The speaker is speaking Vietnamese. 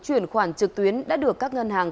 chuyển khoản trực tuyến đã được các ngân hàng